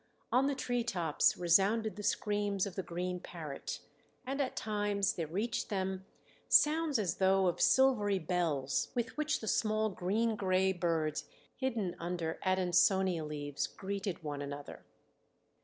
On the treetops resounded the screams of the green parrot, and at times there reached them sounds as though of silvery bells, with which the small green gray birds hidden under Adansonia leaves greeted one another.